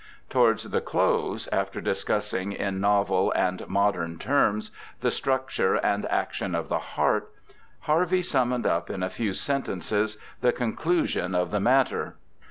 Towards the close, after discussing, in novel and modern terms, the structure and action of the heart, Harvey summed up in a few sentences the conclusion of the matter.